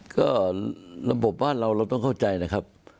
ก็ระบบบ้านเราเราต้องเข้าใจนะครับ